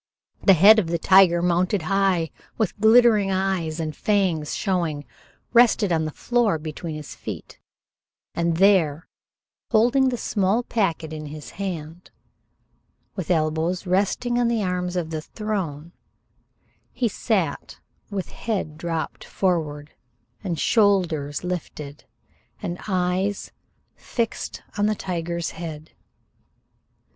The head of the tiger, mounted high, with glittering eyes and fangs showing, rested on the floor between his feet, and there, holding the small packet in his hand, with elbows resting on the arms of the throne, he sat with head dropped forward and shoulders lifted and eyes fixed on the tiger's head.